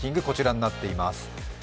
こちらになっています。